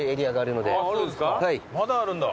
まだあるんだ。